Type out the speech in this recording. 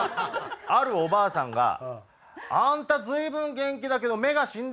あるおばあさんが「あんた随分元気だけど目が死んでるわね」